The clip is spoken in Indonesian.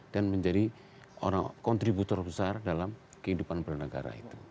dan menjadi orang kontributor besar dalam kehidupan bernegara itu